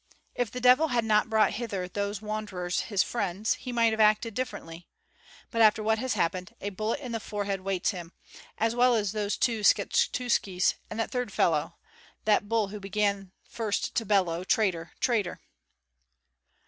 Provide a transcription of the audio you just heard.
If the devil had not brought hither those wanderers his friends, he might have acted differently; but after what has happened, a bullet in the forehead waits him, as well as those two Skshetuskis and that third fellow, that bull who began first to bellow, 'Traitor, traitor!'"